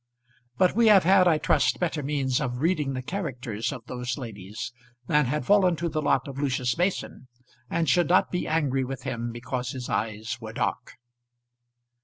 But we have had, I trust, better means of reading the characters of those ladies than had fallen to the lot of Lucius Mason, and should not be angry with him because his eyes were dark.